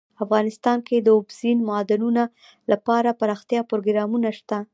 افغانستان کې د اوبزین معدنونه لپاره دپرمختیا پروګرامونه شته.